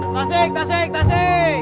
tasik tasik tasik